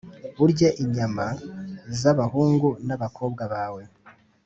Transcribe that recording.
urye inyama z’abahungu n’abakobwa bawe+